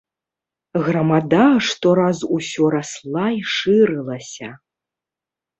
Грамада што раз усё расла і шырылася.